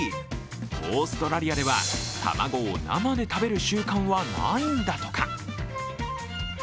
オーストラリアでは卵を生で食べる習慣はないんだとか。